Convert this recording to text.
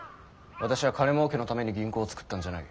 私は金もうけのために銀行を作ったんじゃない。